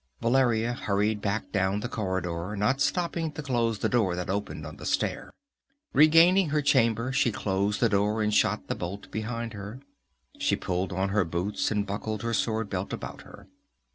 Valeria hurried back down the corridor, not stopping to close the door that opened on the stair. Regaining her chamber, she closed the door and shot the bolt behind her. She pulled on her boots and buckled her sword belt about her.